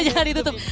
jangan ditutupin ya